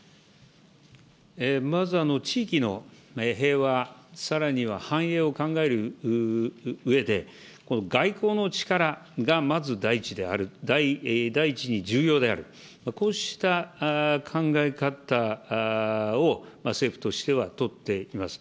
まず地域の平和、さらには繁栄を考えるうえで、外交の力がまず第一である、第一に重要である、こうした考え方を政府としては取っています。